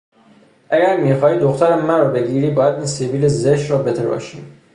اگر میخواهی دختر مرا بگیری باید این سبیل زشت را بتراشی!